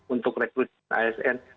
untuk rekrut asn